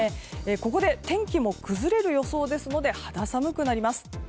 ここで天気も崩れる予想ですので肌寒くなります。